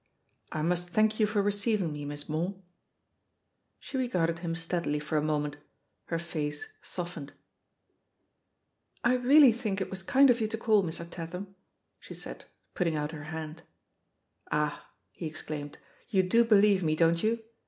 "I must thank you for receiving me. Miss Moore." She regarded him steadily for a moment; her face softened. "I 180 THE POSITION OF PEGGY HARPER '^I reciUy think it was kind of you to caU, Mr* Tatham," she said, putting out her hand. "Ah!" he exclaimed; "you do believe me, don't you?